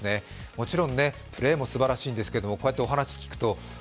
もちろんプレーもすばらしいんですけど、こうやってお話を聞くと